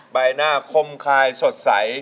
ใบหน้าคมคายสดใส